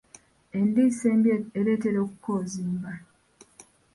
Endiisa embi ereetera okukonziba.